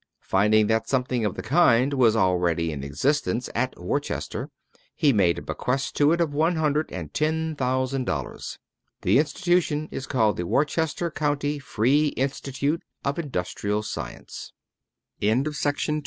Finding that something of the kind was already in existence at Worcester, he made a bequest to it of one hundred and ten thousand dollars. The institution is called the Worcester County Free Institute of Industrial Science. ELIHU BURRITT, THE LEARNED BLACKSMITH. Elihu Burritt, w